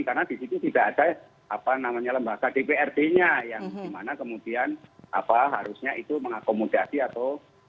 karena di situ tidak ada lembaga dprd nya yang dimana kemudian harusnya itu mengakomodasi atau